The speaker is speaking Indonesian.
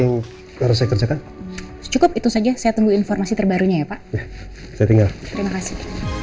itu harus saya kerjakan cukup itu saja saya tunggu informasi terbarunya pak saya tinggal terima kasih